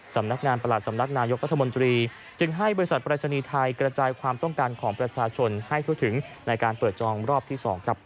สำนักงานประหลัดสำนักนายกรัฐมนตรีจึงให้บริษัทปรายศนีย์ไทยกระจายความต้องการของประชาชนให้ทั่วถึงในการเปิดจองรอบที่๒ครับ